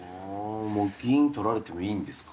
銀取られてもいいんですか？